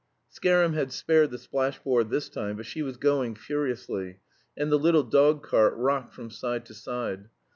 Scarum had spared the splash board this time, but she was going furiously, and the little dog cart rocked from side to side.